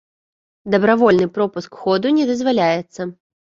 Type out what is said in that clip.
Дабравольны пропуск ходу не дазваляецца.